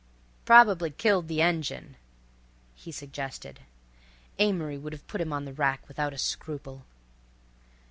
"Probably killed the engine," he suggested. Amory would have put him on the rack without a scruple.